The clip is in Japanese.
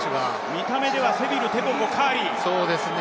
見た目ではセビル、テボゴ、カーリー。